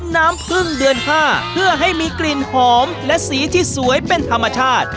น้ำพึ่งเดือน๕เพื่อให้มีกลิ่นหอมและสีที่สวยเป็นธรรมชาติ